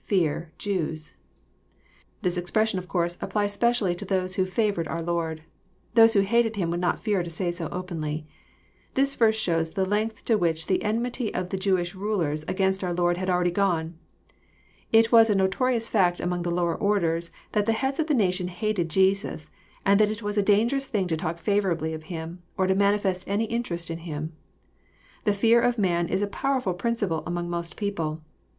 ..fear., .Jews,'] This expression of course applies specially to those who favoured our Lord. Those who hated Him would not fear to say so openly. This verse shows the length to which the enmity of the Jewish ru lers against our Lord had already gone. It was a notorious fact among the lower orders that the heads of the nation hated Jesus, and that it was a dangerous thing to talk favourably of Him, or to manifest any interest in Him. The fear of man is a powerful principle among most people.